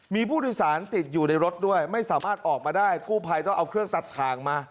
มีผู้โดยสารติดอยู่ในรถด้วยไม่สามารถออกมาได้กู้ภัยต้องเอาเครื่องตัดทางมา